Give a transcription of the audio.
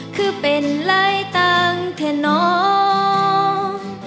คือเป็นไรต่างแทนน้อง